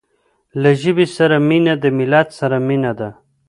له ژبې سره مینه د ملت سره مینه ده.